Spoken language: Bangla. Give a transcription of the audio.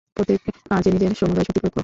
প্রত্যেক কাজে নিজের সমুদয় শক্তি প্রয়োগ কর।